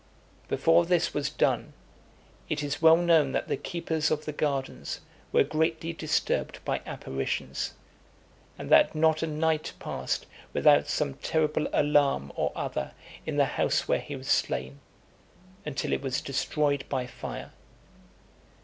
Before this was done, it is well known that the keepers of the gardens were greatly disturbed by apparitions; and that not a night passed without some terrible alarm or other in the house where he was slain, until it was destroyed by fire.